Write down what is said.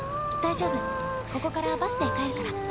大丈夫ここからバスで帰るから。